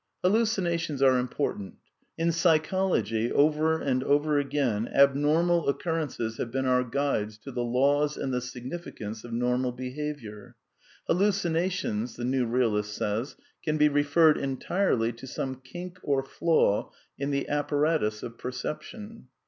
Hallucinations are important. In psychology, over and over again, abnormal occurrences have been our guides to the laws and the significance of normal behaviour. Hal lucinations, the new realist says, can be referred entirely to some kink or flaw in the apparatus of perception.